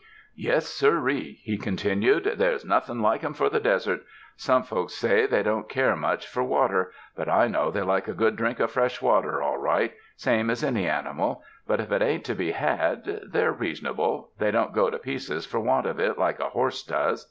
''Yes, sirree," he continued, "there's nothin' like 'em for the desert. Some folks say they don't care much for water, but I know they like a good drink of fresh water all right, same as any animal ; but if it ain't to be had, they're reasonable — they don't go to pieces for want of it like a horse does.